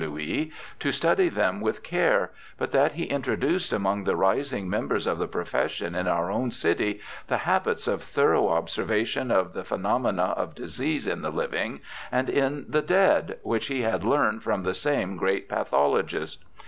Louis, to study them with care, but that he induced among the rising members of the profession in our own city the habits of thorough obser vation of the phenomena of disease in the living and in the dead, which he had learned from the same great pathologist.